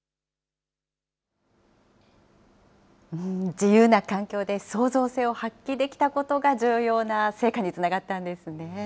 自由な環境で、創造性を発揮できたことが、重要な成果につながったんですね。